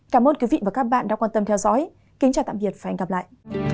cảm ơn quý vị và các bạn đã quan tâm theo dõi kính chào tạm biệt và hẹn gặp lại